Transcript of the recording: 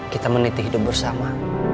kita meniti hidup bersama